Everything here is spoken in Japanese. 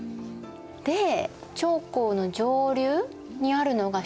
で長江の上流にあるのが蜀。